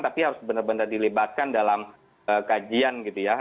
tapi harus benar benar dilibatkan dalam kajian gitu ya